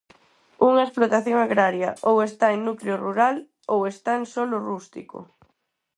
Unha explotación agraria, ou está en núcleo rural ou está en solo rústico.